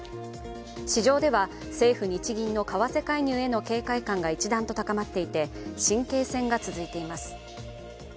市場では政府・日銀の為替介入への警戒感が一段と高まっていて神経戦が続いています。